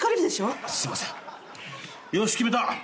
よし決めた！